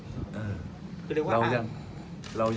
แต่ถ้าเรามีการดูแลเรื่อย